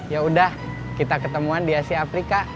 yaudah kita ketemuan di asia afrika